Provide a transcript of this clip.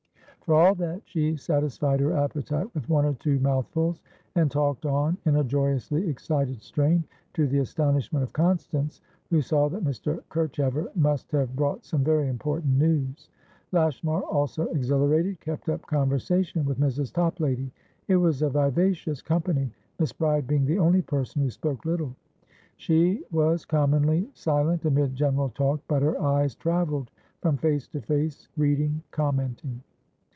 For all that, she satisfied her appetite with one or two mouthfuls, and talked on in a joyously excited strain, to the astonishment of Constance, who saw that Mr. Kerchever must have brought some very important news. Lashmar, also exhilarated, kept up conversation with Mrs. Toplady. It was a vivacious company, Miss Bride being the only person who spoke little. She was commonly silent amid general talk, but her eyes travelled from face to face, reading, commenting.